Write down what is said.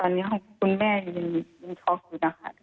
วันนั้นเป็นอะไรก็ไม่ได้